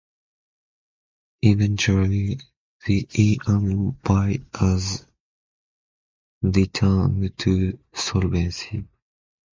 Eventually, the A and Y was returned to solvency.